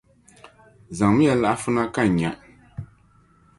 Zaŋmiya laɣifu na ka n nya.